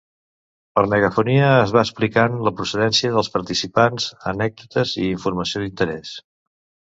Per megafonia es va explicant la procedència dels participants, anècdotes i informació d'interès.